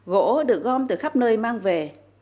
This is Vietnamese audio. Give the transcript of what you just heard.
gỗ được gom từ khắp nơi mang về